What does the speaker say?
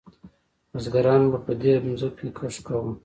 بزګرانو به په دې ځمکو کې کښت کاوه.